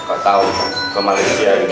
atau ke malaysia ini